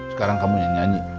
sekarang kamu yang nyanyi